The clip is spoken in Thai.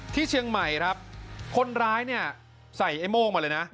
ที่เชียงใหม่ครับคนร้ายเนี่ยใส่ไอ้โม่งมาเลยนะ